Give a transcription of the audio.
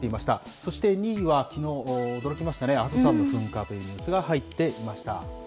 そして２位は、きのう、驚きましたね、阿蘇山の噴火というニュースが入っていました。